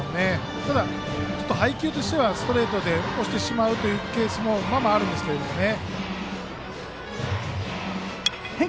ただ配球としてはストレートで押してしまうケースもままあるんですけどね。